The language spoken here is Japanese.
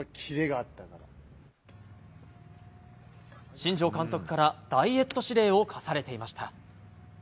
新庄監督からダイエット指令を課されていました。